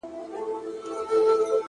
خو زه به بیا هم تر لمني انسان و نه نیسم-